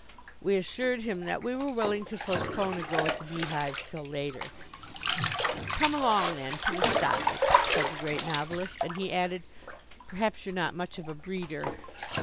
We assured him that we were willing to postpone a go at the beehives till later. "Come along, then, to the styes," said the Great Novelist, and he added, "Perhaps you're not much of a breeder."